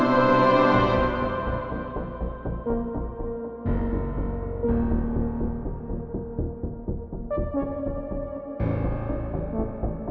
nanti jatuh malah nyalahin lagi